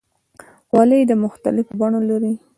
خولۍ د مختلفو بڼو لري.